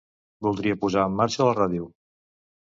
Voldria posar en marxa la ràdio.